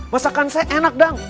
masakan saya enak dang